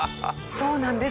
そうなんです。